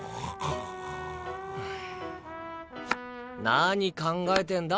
何考えてんだ？